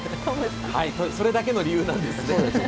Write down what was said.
それだけの理由なんですね。